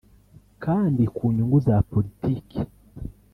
kandi ku nyungu za politiki